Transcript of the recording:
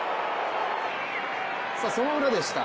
そのウラでした。